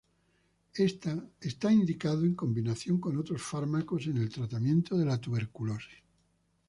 Está indicado en combinación con otros fármacos en el tratamiento de la tuberculosis.